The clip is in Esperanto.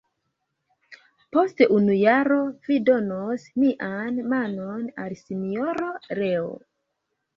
Post unu jaro vi donos mian manon al Sinjoro Leo?